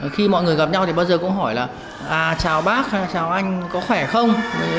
khi mọi người gặp nhau thì bao giờ cũng hỏi là chào bác chào anh có khỏe không